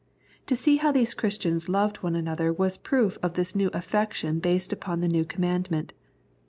To see how these Christians loved one another was a proof of this new affection based upon the new com mandment.